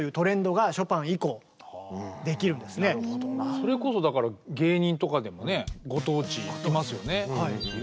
それこそだから芸人とかでもねご当地いますよね。